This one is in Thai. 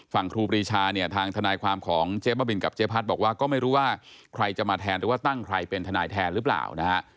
ครูปรีชาเนี่ยทางทนายความของเจ๊บ้าบินกับเจ๊พัดบอกว่าก็ไม่รู้ว่าใครจะมาแทนหรือว่าตั้งใครเป็นทนายแทนหรือเปล่านะฮะ